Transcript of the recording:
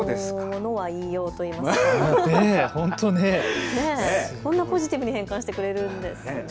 ものは言いようといいますか、こんなポジティブに変換してくれるんですね。